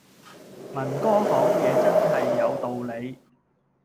文哥講嘢真係有道理